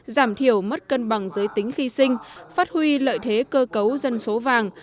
giảm thiểu mất cân bằng giới tính khi sinh phát huy lợi thế cơ cấu dân số vàng